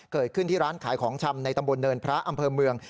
เกิดขึ้นที่ร้านขายของชำในตำบลเนินพระอำเภอเมือง